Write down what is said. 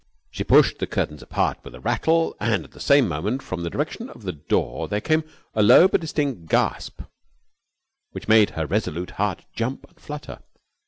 She pushed the curtains apart with a rattle and, at the same moment, from the direction of the door there came a low but distinct gasp which made her resolute heart jump and flutter.